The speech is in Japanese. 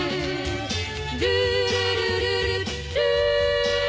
「ルールルルルルー」